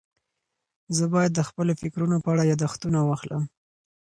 زه باید د خپلو فکرونو په اړه یاداښتونه واخلم.